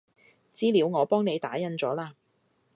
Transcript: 資料我幫你打印咗喇